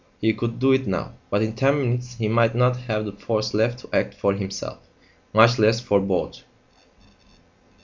He could do it now; but in ten minutes he might not have the force left to act for himself, much less for both!